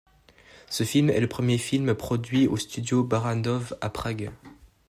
Ce film est le premier film produits aux studios Barrandov, à Prague.